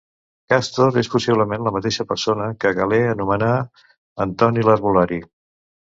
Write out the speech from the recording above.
Càstor és possiblement la mateixa persona que Galè anomena Antoni l'herbolari.